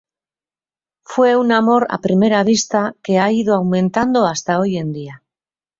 Fue un amor a primera vista que ha ido aumentando hasta hoy en día.